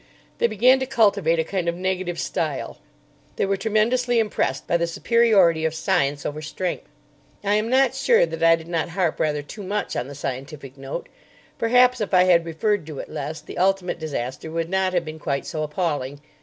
They began to cultivate a kind of negative style. They were tremendously impressed by the superiority of science over strength. I am not sure that I did not harp rather too much on the scientific note. Perhaps if I had referred to it less, the ultimate disaster would not have been quite so appalling.